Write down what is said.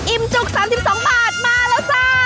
อิ่มจุก๓๒บาทมาแล้วซ้า